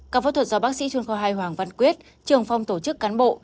các phẫu thuật do bác sĩ chuyên khoa hai hoàng văn quyết trưởng phòng tổ chức cán bộ